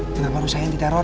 kenapa harus saya yang diteror